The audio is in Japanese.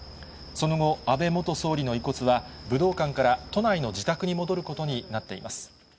その後、安倍元総理の遺骨は、武道館から都内の自宅に戻ることになっています。